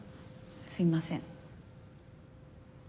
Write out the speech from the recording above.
すいません。